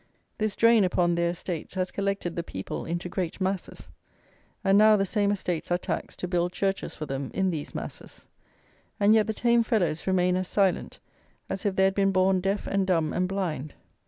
This drain upon their estates has collected the people into great masses, and now the same estates are taxed to build churches for them in these masses. And yet the tame fellows remain as silent as if they had been born deaf and dumb and blind.